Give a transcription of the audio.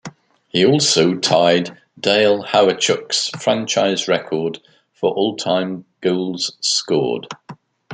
He also tied Dale Hawerchuk's franchise record for all-time goals scored.